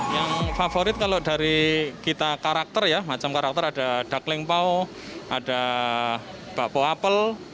yang favorit kalau dari kita karakter ya macam karakter ada dakling pau ada bakpo apel